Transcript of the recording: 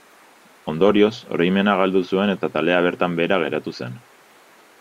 Ondorioz, oroimena galdu zuen eta taldea bertan behera geratu zen.